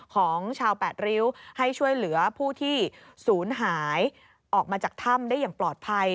ของชาวแปดริ้วให้ช่วยเหลือผู้ที่ศูนย์หายออกมาจากถ้ำได้อย่างปลอดภัย